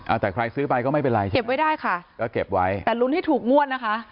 แต่ใครซื้อไปก็ไม่เป็นไรใช่ไหมเก็บไว้ได้ค่ะก็เก็บไว้แต่ลุ้นให้ถูกงวดนะคะ